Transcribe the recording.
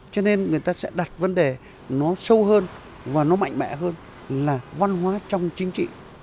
cho nên người ta sẽ đặt vấn đề nó sâu hơn và nó mạnh mẽ hơn là văn hóa trong chính trị